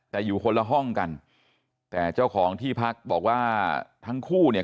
แต่อยู่คนละห้องกันแต่เจ้าของที่พักบอกว่าทั้งคู่เนี่ย